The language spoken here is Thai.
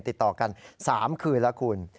ติดต่อกัน๓คืนแล้วคุณ